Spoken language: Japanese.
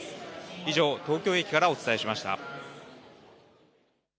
以上、東京駅からお伝えしました。